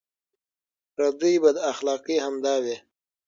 پردۍ بداخلاقۍ همدا وې.